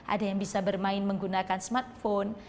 ada yang bisa bermain menggunakan smartphone